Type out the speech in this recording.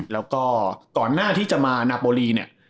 แล้วก็ก่อนหน้าที่จะมานาโปรีเนี่ย